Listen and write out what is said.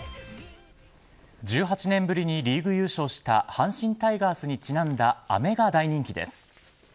１８年ぶりにリーグ優勝した阪神タイガースにちなんだアメが大人気です。